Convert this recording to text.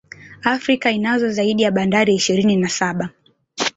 Afrika inazo zaidi ya Bandari ishirini na saba